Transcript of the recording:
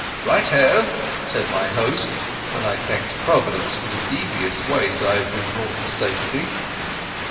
"Right o," said my host, while I thanked Providence for the devious ways I had been brought to safety.